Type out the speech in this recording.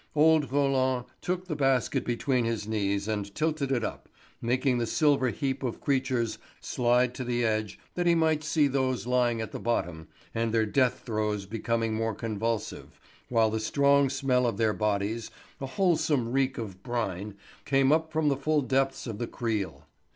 Old Roland took the basket between his knees and tilted it up, making the silver heap of creatures slide to the edge that he might see those lying at the bottom, and their death throes became more convulsive, while the strong smell of their bodies, a wholesome reek of brine, came up from the full depths of the creel.